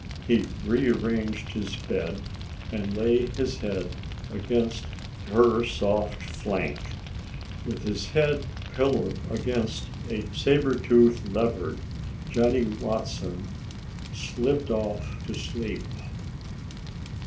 He rearranged his bed and lay his head against her soft flank. With his head pillowed against a sabre tooth leopard, Johnny Watson slipped off to sleep.